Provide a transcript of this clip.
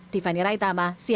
tiffany raitama cnn indonesia